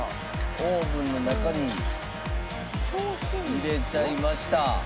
オーブンの中に入れちゃいました。